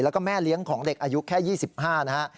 แล้วก็แม่เลี้ยงของเด็กอายุแค่๒๕นะฮะ